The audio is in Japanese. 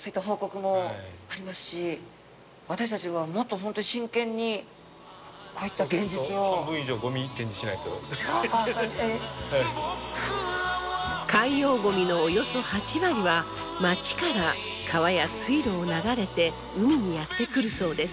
なんといっても海洋ゴミのおよそ８割は町から川や水路を流れて海にやって来るそうです。